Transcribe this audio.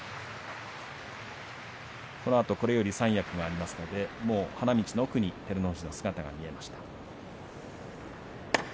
このあと、これより三役がありますので、もう花道の奥に照ノ富士の姿が見えました。